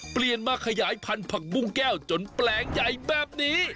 เปลี่ยนมาขยายพันธุ์ผักบุ้งแก้วจนแปลงใหญ่แบบนี้